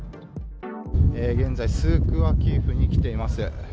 現在、スークワキーフに来ています。